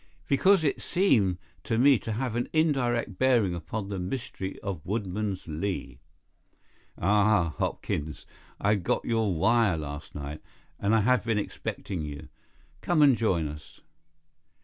"Because it seemed to me to have an indirect bearing upon the mystery of Woodman's Lee. Ah, Hopkins, I got your wire last night, and I have been expecting you. Come and join us."